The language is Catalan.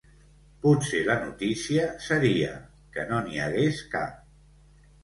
Potser la notícia seria que no n'hi hagués cap.